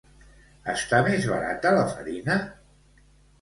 Està més barata la farina?